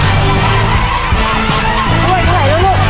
ให้มันกำลังถูก